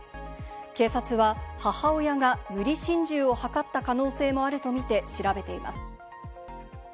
警察は母親が無理心中を図った可能性もあるとみて調べています。